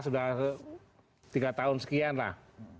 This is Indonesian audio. sudah tiga tahun sekian lah